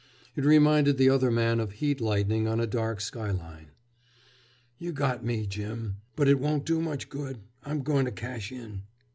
It reminded the other man of heat lightning on a dark skyline. "You got me, Jim. But it won't do much good. I'm going to cash in."